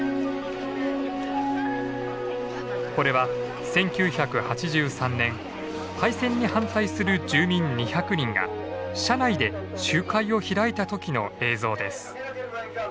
これは１９８３年廃線に反対する住民２００人が車内で集会を開いた時の映像です。